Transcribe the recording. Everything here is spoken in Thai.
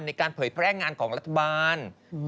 เผยแพร่งานของรัฐบาล